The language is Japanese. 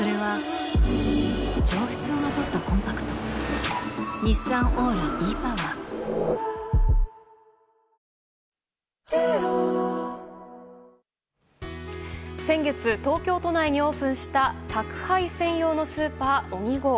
逆にアイデア次第で先月、東京都内にオープンした宅配専用のスーパー、ＯｎｉＧＯ。